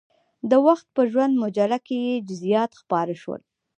د وخت په ژوندون مجله کې یې جزئیات خپاره شول.